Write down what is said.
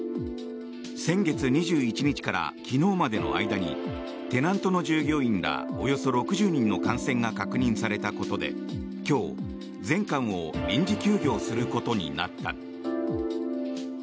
先月２１日から昨日までの間にテナントの従業員らおよそ６０人の感染が確認されたことで今日、全館を臨時休業することになった。